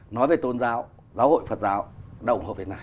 nói về tôn giáo giáo hội phật giáo đồng hợp với này